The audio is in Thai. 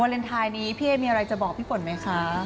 เลนไทยนี้พี่เอ๊มีอะไรจะบอกพี่ฝนไหมคะ